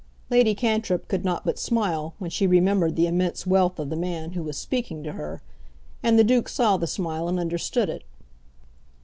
Lady Cantrip could not but smile when she remembered the immense wealth of the man who was speaking to her; and the Duke saw the smile and understood it.